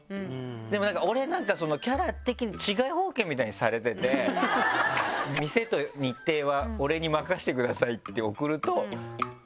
でも俺なんかキャラ的に治外法権みたいにされてて「店と日程は俺に任してください」って送ると。